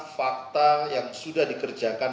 fakta yang sudah dikerjakan